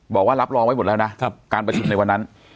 บอกว่ารับรองไว้หมดแล้วนะการประชุมในวันนั้น